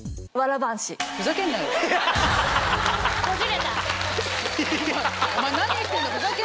こじれた。